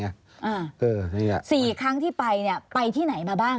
อ๋อที่ร้าน